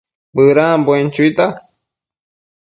Bëdambuen chuita